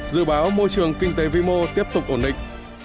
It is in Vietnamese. dự báo môi trường kinh tế vĩ mô tiếp tục ổn định